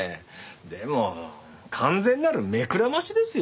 でも完全なる目くらましですよ。